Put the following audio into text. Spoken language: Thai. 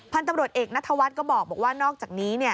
พันธุ์ตำรวจเอกนัทวัฒน์ก็บอกว่านอกจากนี้